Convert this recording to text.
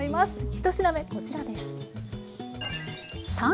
一品目こちらです。